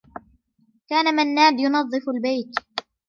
كان مناد ينظف البيت.